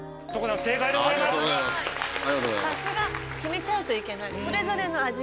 さすが。決めちゃうといけない。